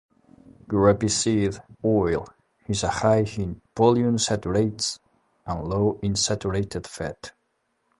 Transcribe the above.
Grapeseed oil is high in polyunsaturates and low in saturated fat.